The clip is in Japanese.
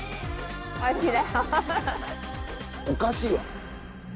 おかしいわ。